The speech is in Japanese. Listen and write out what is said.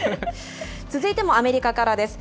続いてもアメリカからです。